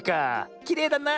きれいだな。